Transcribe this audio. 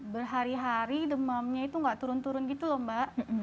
berhari hari demamnya itu nggak turun turun gitu loh mbak